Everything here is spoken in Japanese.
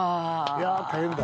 いやあ大変だ。